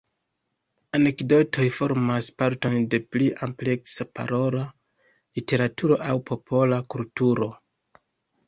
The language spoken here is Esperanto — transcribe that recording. Anekdotoj formas parton de pli ampleksa parola literaturo aŭ popola kulturo.